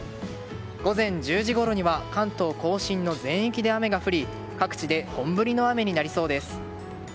午前１０時ごろには関東・甲信の全域で雨が降り各地で本降りの雨になりそうです。